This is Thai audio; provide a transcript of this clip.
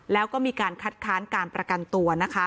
แล้วก็มีการคัดค้านการประกันตัวนะคะ